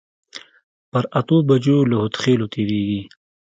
پر اتو بجو له هودخېلو تېرېږي.